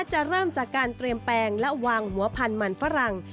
จะเริ่มจากการเตรียมแปลงและวางหัวพันธุ์มันฝรั่ง